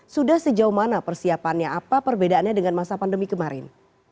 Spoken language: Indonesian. sudah sejauh mana persiapannya apa perbedaannya dengan masa pandemi kemarin